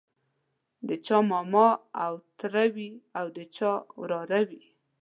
د چا ماما او تره وي او د چا وراره وي.